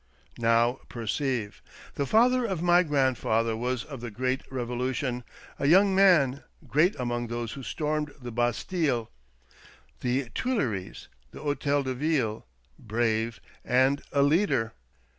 Now perceive. The father of my grandfather was of the great Eevolution — a young man, great among those who stormed the Bastille, the Tuileries, the Hotel de Ville, brave, and a leader.